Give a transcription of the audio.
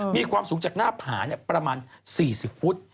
มีความสูงจากหน้าผาประมาณ๔๐ฟุต